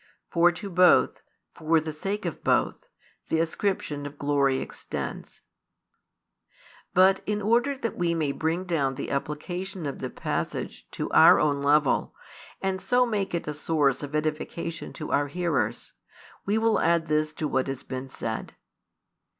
For to Both, for the sake of Both, the ascription of glory extends. But in order that we may bring down the application of the passage to our own level, and so make it a source of edification to our hearers, we will add this to what has been said.